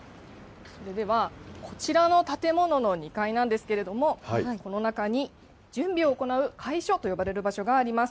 それでは、こちらの建物の２階なんですけれども、この中に準備を行う会所と呼ばれる場所があります。